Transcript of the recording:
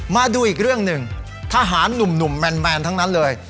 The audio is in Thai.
มาดูอีกเรื่องหนึ่งทหารหนุ่มแมนทั้งนั้นเลย